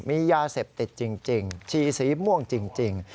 มียาเสพติดจริงชีสีม่วงจริง